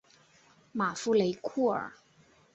马夫雷库尔。